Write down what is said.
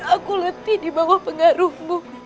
aku letih di bawah pengaruhmu